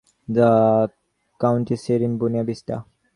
The county seat is Buena Vista.